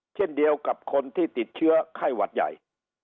เช่นเดียวกับคนที่ติดเชื้อไข้หวัดใหญ่